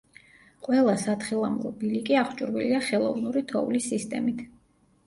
ყველა სათხილამურო ბილიკი აღჭურვილია „ხელოვნური თოვლის“ სისტემით.